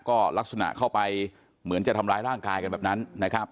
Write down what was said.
ก็ลักษณะเข้าไปเหมือนจะทำร้ายร่างกายกันแบบนั้นนะครับ